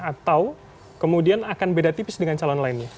atau kemudian akan beda tipis dengan calon lainnya